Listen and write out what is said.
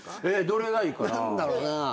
どれがいいかな。